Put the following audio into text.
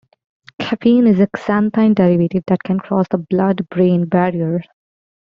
Caffeine is a xanthine derivative that can cross the blood-brain barrier.